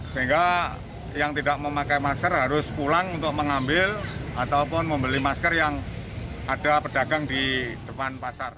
sehingga yang tidak memakai masker harus pulang untuk mengambil ataupun membeli masker yang ada pedagang di depan pasar